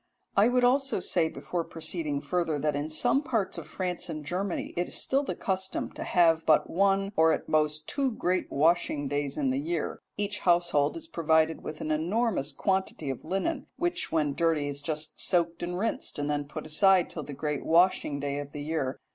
I would also say before proceeding further that in some parts of France and Germany it is still the custom to have but one or at most two great washing days in the year. Each household is provided with an enormous quantity of linen, which when dirty is just soaked and rinsed, and then put aside till the great washing day of the year.